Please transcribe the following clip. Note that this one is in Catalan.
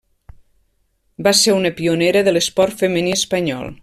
Va ser una pionera de l'esport femení espanyol.